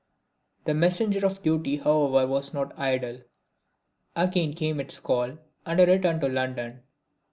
The messenger of duty however was not idle. Again came its call and I returned to London.